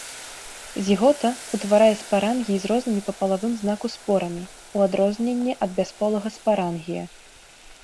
Зігота ўтварае спарангій з рознымі па палавым знаку спорамі ў адрозненне ад бясполага спарангія.